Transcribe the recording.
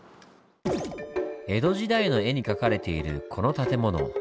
江戸時代の絵に描かれているこの建物。